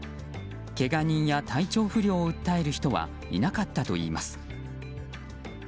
けが人や体調不良を訴える人はいなかったといいます。